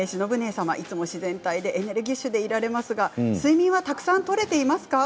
様、いつも自然体でエネルギッシュでいられますが睡眠はたくさん取れていますか？